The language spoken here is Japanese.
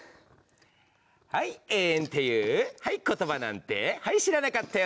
はい永遠っていうはい言葉なんてはい知らなかったよね。